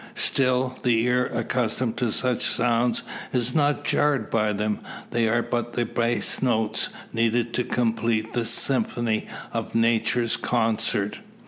Still, the ear accustomed to such sounds is not jarred by them. They are but the bass notes, needed to complete the symphony of Nature's concert.